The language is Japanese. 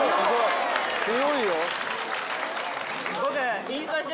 強いよ。